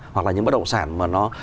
hoặc là những bất động sản mà nó